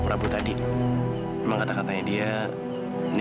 tidak ada yang menemukan kamu lagi